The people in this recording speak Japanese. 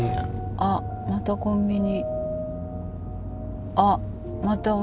あっまたコンビニ。